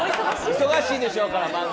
忙しいでしょうから、漫才。